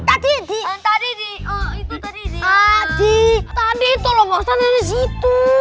adik tadi makan makan di situ